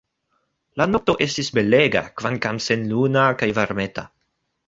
La nokto estis belega, kvankam senluna, kaj varmeta.